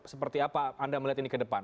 seperti apa anda melihat ini ke depan